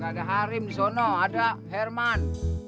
gak ada harim disono ada herman